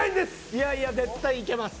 いやいや絶対いけます。